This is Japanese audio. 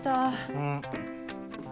うん。